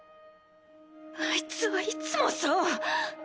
あいつはいつもそう。